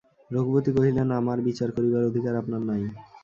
রঘুপতি কহিলেন, আমার বিচার করিবার অধিকার আপনার নাই।